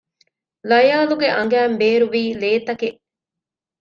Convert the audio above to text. ލަޔާލުގެ އަނގައިން ބޭރުވީ ލޭތަކެއް